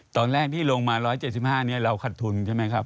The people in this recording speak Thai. ตอนแรกที่ลงมา๑๗๕นี้เราขัดทุนใช่ไหมครับ